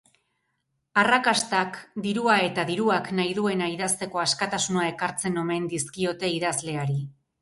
Arrakastak dirua eta diruak nahi duena idazteko askatasuna ekartzen omen dizkiote idazleari.